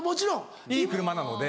いい車なので。